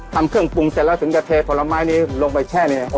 ทำเครื่องปรุงเสร็จแล้วถึงจะเทผลไม้นี้ลงไปแช่เนี่ย